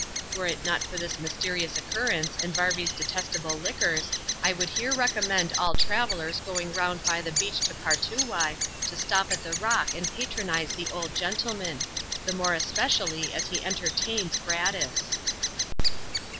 Were it not for this mysterious occurrence, and Varvy's detestable liquors, I would here recommend all travellers going round by the beach to Partoowye to stop at the Rock and patronise the old gentleman — the more especially as he enter tains gratis.